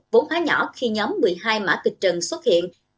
vốn hóa nhỏ khi nhóm một mươi hai mã kịch trần xuất hiện